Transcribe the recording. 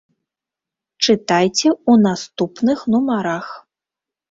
Чытайце ў наступных нумарах.